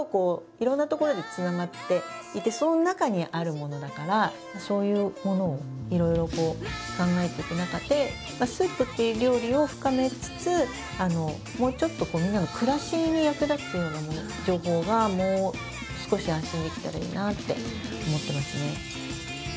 してきたからやっぱり人のそういうものをいろいろ考えていく中でスープっていう料理を深めつつもうちょっとみんなの暮らしに役立つような情報がもう少し発信できたらいいなって思ってますね。